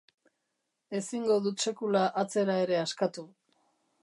Ezingo dut sekula atzera ere askatu.